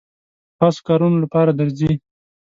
خاصو کارونو لپاره درځي.